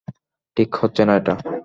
ঠিক হচ্ছে না এটা।